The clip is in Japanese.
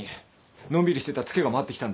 のんびりしてたつけが回ってきたんだ。